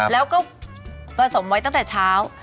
แล้วก็ผสมไว้ตั้งแต่เช้า